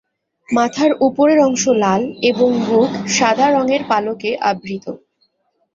মাথার উপরের অংশ লাল এবং বুক সাদা রঙের পালকে আবৃত।